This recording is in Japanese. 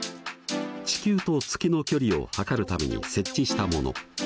地球と月の距離を測るために設置したもの。